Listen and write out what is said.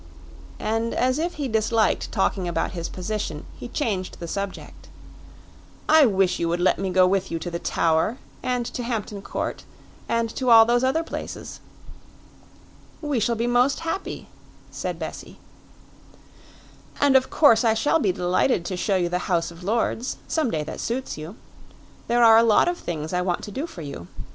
And as if he disliked talking about his position, he changed the subject. "I wish you would let me go with you to the Tower, and to Hampton Court, and to all those other places." "We shall be most happy," said Bessie. "And of course I shall be delighted to show you the House of Lords some day that suits you. There are a lot of things I want to do for you.